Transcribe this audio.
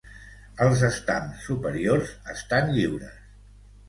Els estams superiors estan lliures.